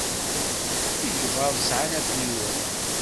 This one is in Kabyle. Igḍaḍ sɛan afriwen.